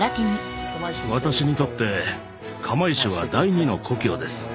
私にとって釜石は第二の故郷です。